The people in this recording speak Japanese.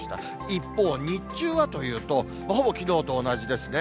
一方、日中はというと、ほぼきのうと同じですね。